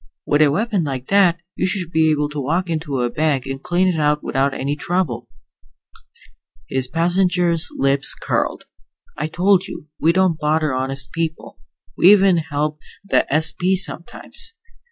With a weapon like that, you should be able to walk into a bank and clean it out without any trouble." His passenger's lips curled. "I told you, we don't bother honest people. We even help the S.P. sometimes.